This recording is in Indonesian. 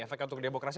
efeknya untuk demokrasi